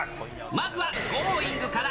まずはＧｏｉｎｇ！から。